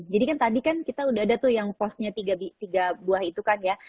jadi kan tadi kan kita udah ada tuh yang postnya tiga buah itu kan ya